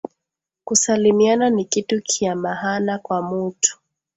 Kusalimiana nikitu kya mahana kwa mutu